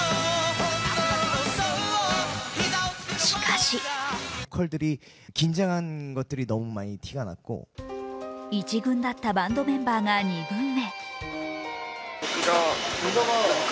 しかし１軍だったバンドメンバーが２軍へ。